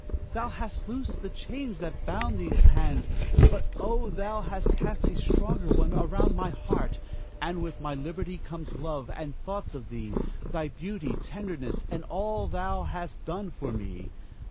thou hast loosed the chains that bound these hands, but oh, thou hast cast a stronger one around my heart; and with my liberty comes love, and thoughts of thee, thy beauty, tenderness, and all thou hast done for me.